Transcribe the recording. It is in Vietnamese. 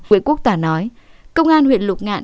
nguyễn quốc toản nói công an huyện lục ngạn